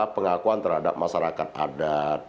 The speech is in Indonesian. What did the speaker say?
pengakuan terhadap masyarakat adat